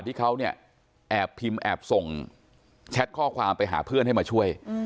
ที่เขาเนี่ยแอบพิมพ์แอบส่งแชทข้อความไปหาเพื่อนให้มาช่วย